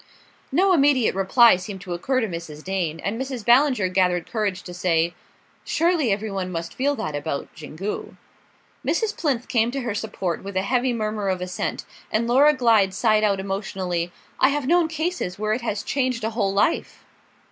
No immediate reply seemed to occur to Mrs. Dane, and Mrs. Ballinger gathered courage to say: "Surely every one must feel that about Xingu." Mrs. Plinth came to her support with a heavy murmur of assent, and Laura Glyde sighed out emotionally: "I have known cases where it has changed a whole life."